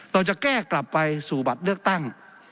เราจะแก้กลับไปสู่บัตรเลือกตั้ง